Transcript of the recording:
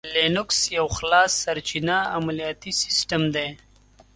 لینوکس یو خلاصسرچینه عملیاتي سیسټم دی.